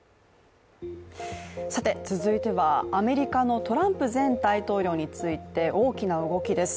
続いてはアメリカのトランプ前大統領について大きな動きです。